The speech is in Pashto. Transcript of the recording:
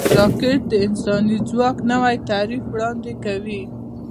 راکټ د انساني ځواک نوی تعریف وړاندې کوي